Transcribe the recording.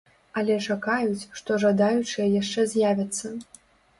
Але чакаюць, што жадаючыя яшчэ з'явяцца.